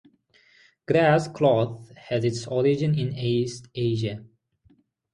Grass cloth has its origin in East Asia.